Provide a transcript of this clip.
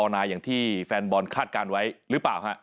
นายอย่างที่แฟนบอลคาดการณ์ไว้หรือเปล่าฮะ